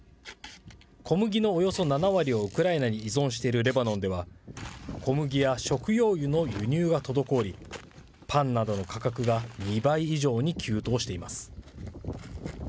小麦のおよそ７割をウクライナに依存しているレバノンでは、小麦や食用油の輸入が滞り、パンなどの価格が２倍以上に急騰しています。